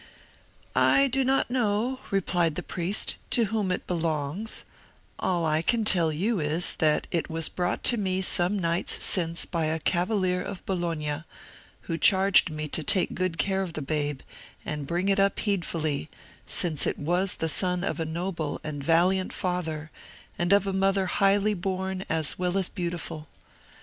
"I do not know," replied the priest, "to whom it belongs; all I can tell you is, that it was brought to me some nights since by a cavalier of Bologna, who charged me to take good care of the babe and bring it up heedfully, since it was the son of a noble and valiant father, and of a mother highly born as well as beautiful.